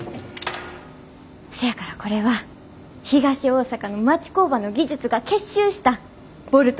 せやからこれは東大阪の町工場の技術が結集したボルトなんです。